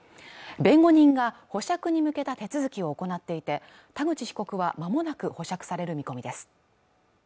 弁護人が保釈に向けた手続きを行っていて田口被告はまもなく保釈される見込みです